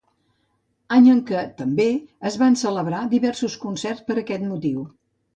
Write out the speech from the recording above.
Any en què, també, es van celebrar diversos concerts per aquest motiu.